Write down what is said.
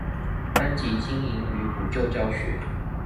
班級經營與補救教學